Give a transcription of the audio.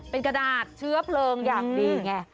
เป็นกระดาษเชื้อเพลิงอย่างดีไง